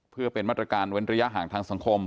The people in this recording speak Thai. เพื่อเป็นมาตรการเว้นระยะห่างทางสังคม